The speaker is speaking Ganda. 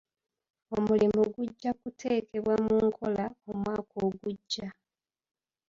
Omulimu gujja kuteekebwa mu nkola omwaka ogujja.